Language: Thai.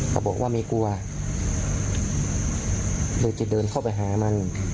เขาบอกว่าไม่กลัวเลยจะเดินเข้าไปหามัน